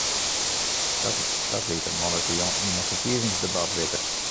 Dat liet er moandeitejûn yn in ferkiezingsdebat witte.